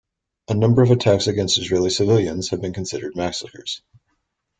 A number of attacks against Israeli civilians have been considered massacres.